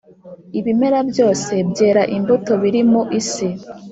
ibimera byose byera imbuto biri mu isi